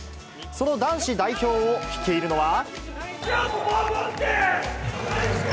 その男子代表を率いるのは。